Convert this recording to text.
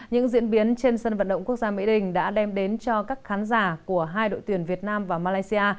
những diễn biến trên sân vận động quốc gia mỹ đình đã đem đến cho các khán giả của hai đội tuyển việt nam và malaysia